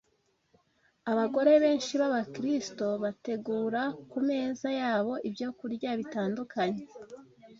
Abagore benshi b’Abakirisito bategura ku meza yabo ibyokurya bitandukanye